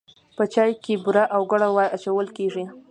په چای کې بوره یا ګوړه اچول کیږي.